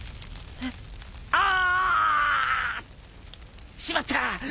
あああ！しまった！